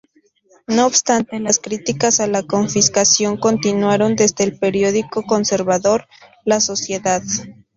No obstante, las críticas a la confiscación continuaron desde el periódico conservador "La Sociedad".